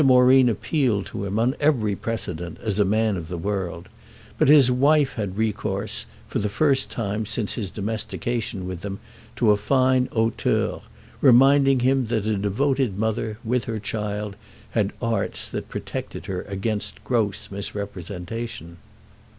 Moreen appealed to him, on every precedent, as a man of the world; but his wife had recourse, for the first time since his domestication with them, to a fine hauteur, reminding him that a devoted mother, with her child, had arts that protected her against gross misrepresentation.